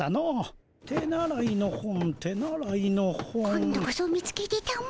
今度こそ見つけてたも。